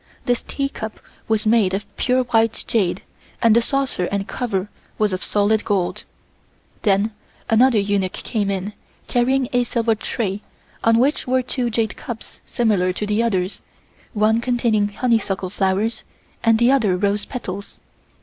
This tea cup was made of pure white jade and the saucer and cover was of solid gold. Then another eunuch came in carrying a silver tray on which were two jade cups similar to the others, one containing honeysuckle flowers and the other rose petals.